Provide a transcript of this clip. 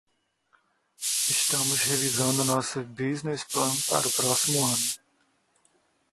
Estamos revisando nosso business plan para o próximo ano.